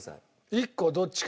一個？どっちか？